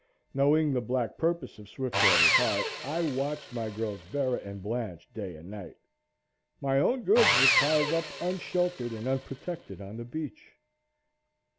Knowing the black purpose in Swiftwater's heart, I watched my girls Bera and Blanche day and night. My own goods were piled up unsheltered and unprotected on the beach.